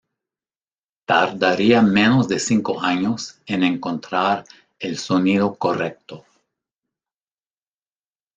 Tardaría menos de cinco años en encontrar el sonido correcto.